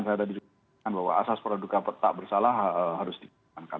saya tadi juga sampaikan bahwa asas peradukan petak bersalah harus dikembangkan